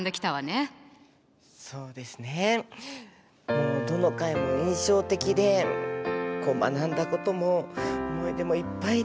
もうどの回も印象的で学んだことも思い出もいっぱいで。